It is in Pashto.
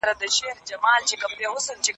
پیسې مدیریت کړئ.